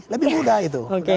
lebih mudah itu